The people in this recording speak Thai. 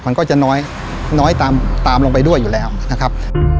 มันก็จะน้อยน้อยตามลงไปด้วยอยู่แล้วนะครับ